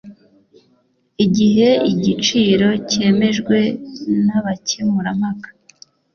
igihe igiciro cyemejwe n abakemurampaka